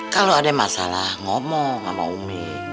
kalau ada masalah ngomong sama umi